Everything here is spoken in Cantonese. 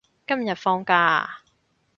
今日放假啊？